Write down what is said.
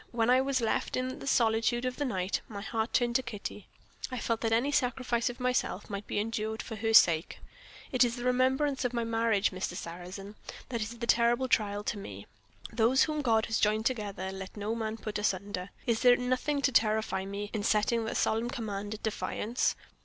"When I was left in the solitude of the night, my heart turned to Kitty; I felt that any sacrifice of myself might be endured for her sake. It's the remembrance of my marriage, Mr. Sarrazin, that is the terrible trial to me. Those whom God has joined together, let no man put asunder. Is there nothing to terrify me in setting that solemn command at defiance?